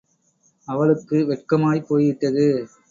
அவளுக்கு வெட்கமாகப் போய் விட்டது.